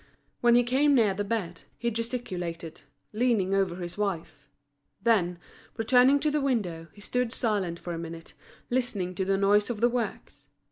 When he came near the bed, he gesticulated, leaning over his wife; then, returning to the window, he stood silent for a minute, listening to the noise of the works.